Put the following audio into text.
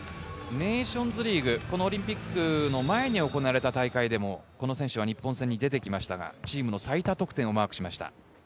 ネーションズリーグ、このオリンピックの前に行われた大会でもこの選手は日本戦に出てきましたがチームの最多得点をマークしました。